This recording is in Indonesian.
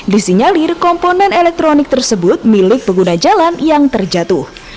disinyalir komponen elektronik tersebut milik pengguna jalan yang terjatuh